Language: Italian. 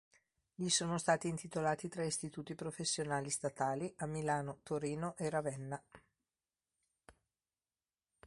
Gli sono stati intitolati tre istituti professionali statali, a Milano, Torino e Ravenna.